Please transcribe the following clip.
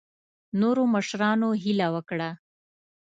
نورو مشرانو هیله وکړه.